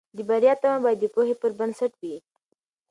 د بریا تمه باید د پوهې پر بنسټ وي.